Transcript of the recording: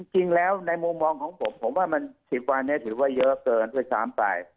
จริงแล้วในมุมมองของผมผมว่ามัน๑๐วันนี้ถือว่าเยอะเกินด้วยซ้ำไป